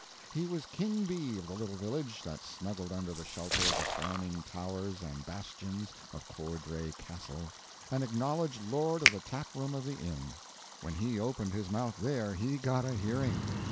He was king bee of the little village that snuggled under the shelter of the frowning towers and bastions of Courdray Castle, and acknowledged lord of the tap room of the inn. When he opened his mouth there, he got a hearing.